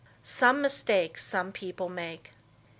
Some Mistakes Some People Make.